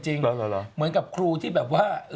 เหมือนกับครูที่แบบว่า